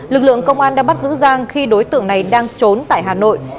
lực lượng công an đã bắt giữ giang khi đối tượng này đang trốn tại hà nội